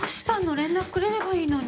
連絡くれればいいのに。